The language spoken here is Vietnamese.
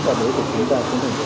và đối tượng với chúng ta